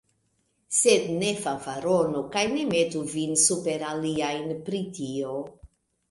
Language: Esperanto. Sed ne fanfaronu kaj ne metu vin super aliajn pri tio.